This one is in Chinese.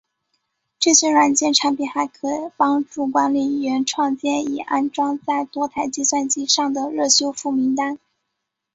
这些软件产品还可帮助管理员创建已安装在多台计算机上的热修复名单。